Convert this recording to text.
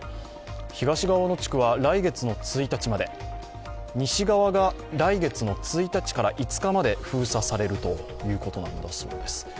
東側の地区は来月の１日まで西側が来月の１日から５日まで封鎖されるということなんです。